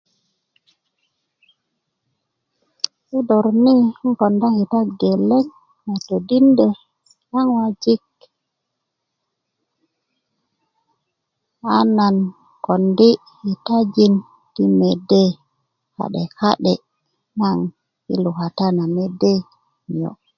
i lor ni um konda kita geleng na todindá na ŋojik a nan kondi kitajin ti mede kadekade naŋ i lukata na mede niyo